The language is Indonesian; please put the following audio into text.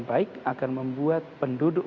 baik akan membuat penduduk